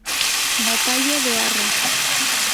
Batalla de Arrás